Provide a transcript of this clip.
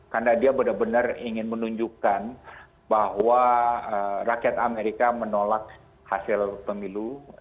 karena dia benar benar ingin menunjukkan bahwa rakyat amerika menolak hasil pemilu